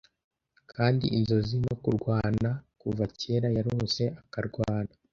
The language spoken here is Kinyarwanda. Kandi inzozi no kurwana kuva kera yarose akarwana;